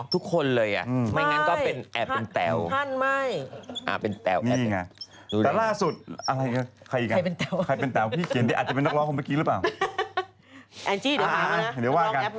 ทุกคนเลยเหรอไม่งั้นก็แอบเป็นแตวนี่ไงแต่ล่าสุดอะไรกันใครเป็นแตวพี่เขียนได้อาจจะเป็นนักร้องของเมื่อกี้หรือเปล่า